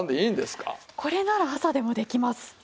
これなら朝でもできます！